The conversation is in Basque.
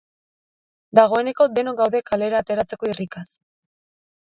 Dagoeneko denok gaude kalera ateratzeko irrikaz.